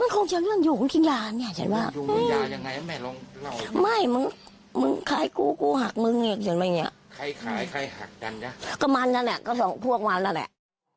ก็นั่นแหละก็สองพวกมันนั่นแหละ